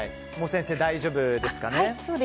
先生、大丈夫ですかね。